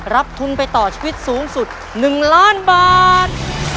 รับทุนไปต่อชีวิตสูงสุด๑ล้านบาท